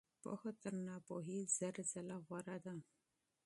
پوهه تر ناپوهۍ زر ځله غوره ده.